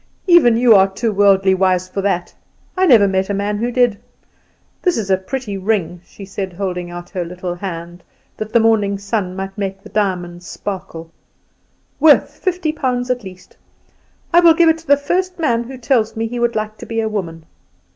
Even you are too worldly wise for that. I never met a man who did. This is a pretty ring," she said, holding out her little hand, that the morning sun might make the diamonds sparkle. "Worth fifty pounds at least. I will give it to the first man who tells me he would like to be a woman.